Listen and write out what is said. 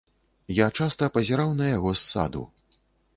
Я часта пазіраў на яго з саду.